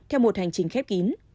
theo một hành trình khép kín